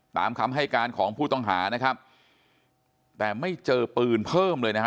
ตามคำให้การของผู้ต้องหานะครับแต่ไม่เจอปืนเพิ่มเลยนะฮะ